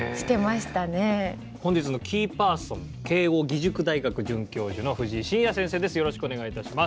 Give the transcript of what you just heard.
本日のキーパーソン慶應義塾大学准教授の藤井進也先生です。